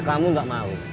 biar kamu gak malu